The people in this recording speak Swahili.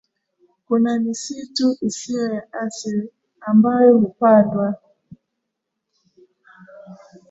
kuna misitu isiyo ya asili ambayo hupandwa